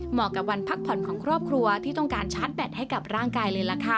กับวันพักผ่อนของครอบครัวที่ต้องการชาร์จแบตให้กับร่างกายเลยล่ะค่ะ